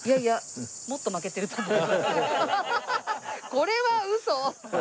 これは嘘！